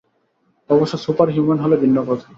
অবশ্য super human হলে ভিন্ন কথা!